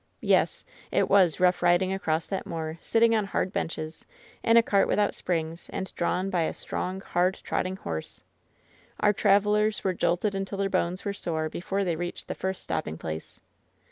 Yes. It was rough riding across that moor, sitting on LOVE'S BITTEREST CUP 197 Bard benches, in a cart without springs, and dra\vii by a strong, hard trotting horse. Our travelers were jolted until their bones were sore before they reached the first stopping place.